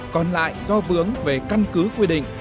còn lại do bướng về căn cứ quy định